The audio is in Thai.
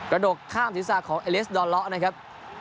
ระดกธามศิลธิษฐาของเอเลสด่อนเลาะนะครับ